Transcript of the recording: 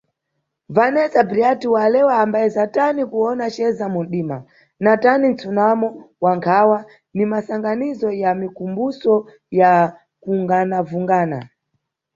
Vanessa Bryant walewa ambayeza tani kuwona ceza mumʼdima na tani "nsunamo wa nkhawa ni masanganizo ya mikumbuso ya kunganavungana".